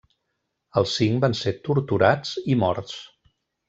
Els cinc van ser torturats i morts.